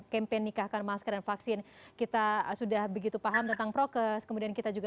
kempen nikahkan masker dan vaksin kita sudah begitu paham tentang prokes kemudian kita juga